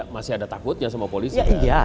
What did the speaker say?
masih ada takutnya sama polisi